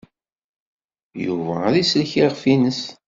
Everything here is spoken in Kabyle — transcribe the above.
Yuba ad isellek iɣef-nnes.